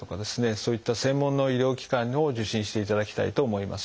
そういった専門の医療機関を受診していただきたいと思います。